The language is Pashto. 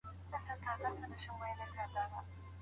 بریا د هغو کسانو حق دی چي ډېر کار ته زړه ښه کوي.